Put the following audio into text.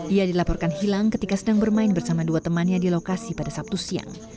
ia dilaporkan hilang ketika sedang bermain bersama dua temannya di lokasi pada sabtu siang